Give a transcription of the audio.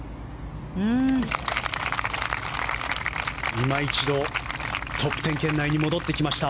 いま一度トップ１０圏内に戻ってきました。